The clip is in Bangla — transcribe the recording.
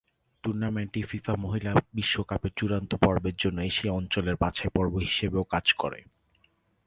টুর্নামেন্টটি ফিফা মহিলা বিশ্বকাপের চূড়ান্ত পর্বের জন্য এশীয় অঞ্চলের বাছাই পর্ব হিসেবেও কাজ করে।